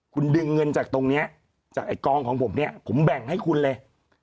คุณดึงเงินจากตรงนี้จากไอ้กองของผมเนี่ยผมแบ่งให้คุณเลย